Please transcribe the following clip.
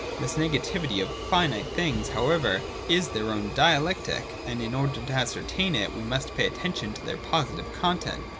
This negativity of finite things however is their own dialectic, and in order to ascertain it we must pay attention to their positive content.